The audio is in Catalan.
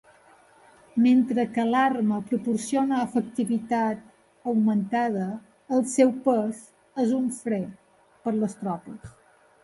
Mentre que l'arma proporciona efectivitat augmentada, el seu pes és un fre per les tropes.